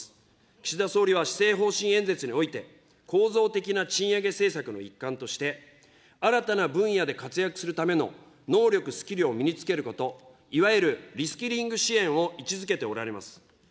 岸田総理は施政方針演説において、構造的な賃上げ政策の一環として、新たな分野で活躍するための能力・スキルを身につけること、いわゆるリスキリング支援を位置づけておられます。